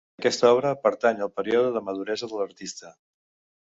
Aquesta obra pertany al període de maduresa de l'artista.